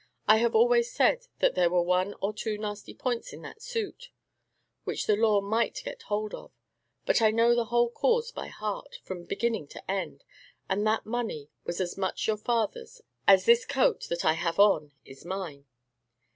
I have always said that there were one or two nasty points in that suit, which the law might get hold of; but I know the whole cause by heart, from beginning to end; and that money was as much your father's, as this coat, that I have on, is mine.